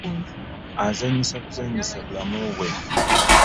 Azannyisa buzannyisa bulamu bwe.